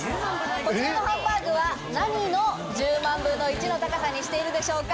こちらのハンバーグは何の１０万分の１の高さにしているでしょうか？